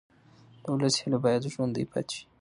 د ولس هیله باید ژوندۍ پاتې شي